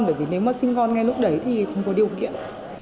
bởi vì nếu mà sinh con ngay lúc đấy thì không có điều kiện